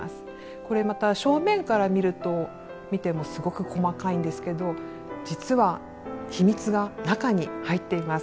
これまた正面から見てもすごく細かいんですけど実は秘密が中に入っています。